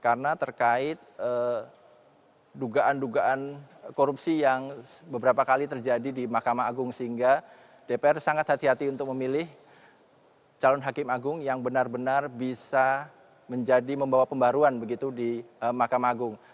karena terkait dugaan dugaan korupsi yang beberapa kali terjadi di makam agung sehingga dpr sangat hati hati untuk memilih calon hakim agung yang benar benar bisa menjadi membawa pembaruan begitu di makam agung